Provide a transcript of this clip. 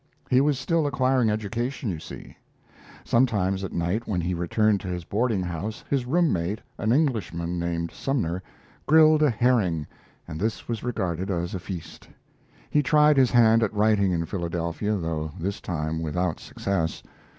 He was still acquiring education, you see. Sometimes at night when he returned to his boardinghouse his room mate, an Englishman named Sumner, grilled a herring, and this was regarded as a feast. He tried his hand at writing in Philadelphia, though this time without success.